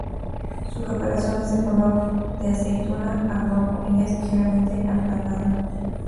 Su caparazón es de color de aceituna a rojo, y es ligeramente aplanado.